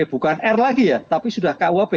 bukan r lagi ya tapi sudah kuap